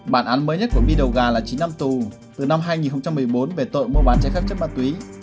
bản án mới nhất của my đầu gà là chín năm tù từ năm hai nghìn một mươi bốn về tội mua bán trái phép chất ma túy